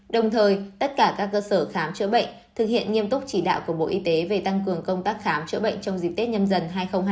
đồng thời tất cả các cơ sở khám chữa bệnh thực hiện nghiêm túc chỉ đạo của bộ y tế về tăng cường công tác khám chữa bệnh trong dịp tết nhâm dần hai nghìn hai mươi bốn